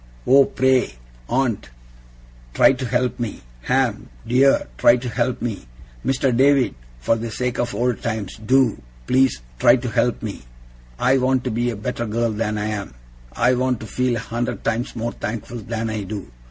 'Oh, pray, aunt, try to help me! Ham, dear, try to help me! Mr. David, for the sake of old times, do, please, try to help me! I want to be a better girl than I am. I want to feel a hundred times more thankful than I do.